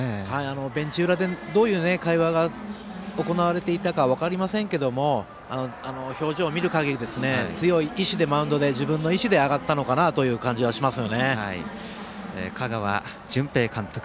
ベンチ裏でどういう会話が行われていたか分かりませんけども表情を見る限り、強い意思でマウンドに自分の意思で上がったのかなという感じがします。